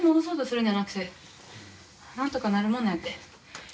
なんとかなるもんなんやって。